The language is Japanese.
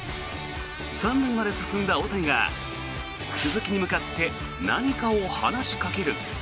３塁まで進んだ大谷が鈴木に向かって何かを話しかける。